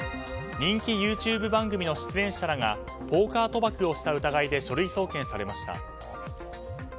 人気ＹｏｕＴｕｂｅ番組の出演者らがポーカー賭博をした疑いで書類送検されました。